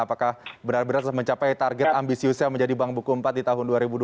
apakah benar benar mencapai target ambisiusnya menjadi bank buku iv di tahun dua ribu dua puluh dua